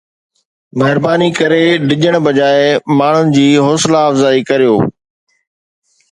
مھرباني ڪري ڊڄڻ بجاءِ ماڻھن جي حوصلا افزائي ڪريو